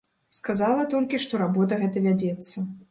Сказала толькі, што работа гэта вядзецца.